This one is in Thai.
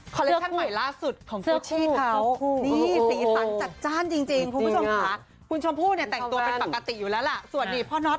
คุณผู้ชมพูก็ชมพูที่สีสั้นทัดจ้านแนะมีครับ